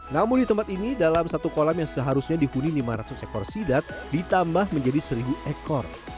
namun di tempat ini dalam satu kolam yang seharusnya dihuni lima ratus ekor sidat ditambah menjadi seribu ekor